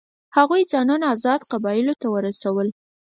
هغوی ځانونه آزادو قبایلو ته ورسول.